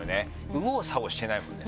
右往左往してないもんね